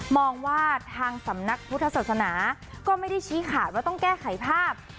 มองว่าทางสำนักพุทธศาสนาก็ไม่ได้ชี้ขาดว่าต้องแก้ไขภาพ